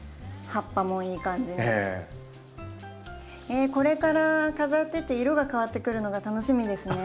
えっこれから飾ってて色が変わってくるのが楽しみですね。